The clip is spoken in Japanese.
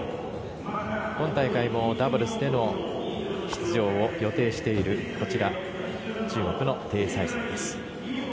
今大会もダブルスでの出場を予定しているこちら中国のテイ・サイサイです。